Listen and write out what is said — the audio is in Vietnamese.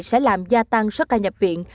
sẽ làm gia tăng soát ca nhập viện